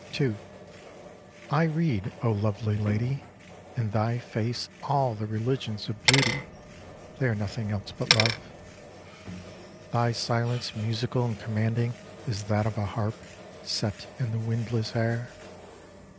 II I read, O lovely lady, in thy face All the religions of beauty (They are nothing else but Love) ; Thy silence musical and commanding Is that of a harp set in the windless air.